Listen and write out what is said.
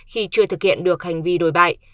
khi chưa thực hiện được hành vi đổi bại